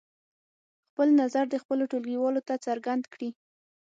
خپل نظر دې خپلو ټولګیوالو ته څرګند کړي.